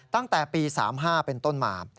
ตั้งแต่ปี๓๕เป็นต้นมา